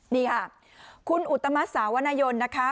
นี่ค่ะคุณอุตมัติสาวนายนนะคะ